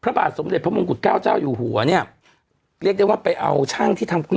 บาทสมเด็จพระมงกุฎเก้าเจ้าอยู่หัวเนี่ยเรียกได้ว่าไปเอาช่างที่ทำคุณ